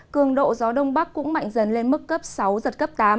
cường độ gió đông bắc cũng mạnh dần lên mức cấp sáu giật cấp tám